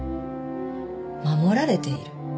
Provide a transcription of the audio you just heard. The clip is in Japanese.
守られている？